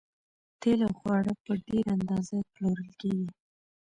تیل او خواړه په ډیره اندازه پلورل کیږي